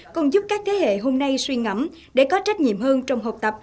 còn giúp các thế hệ hôm nay suy ngẩm để có trách nhiệm hơn trong học tập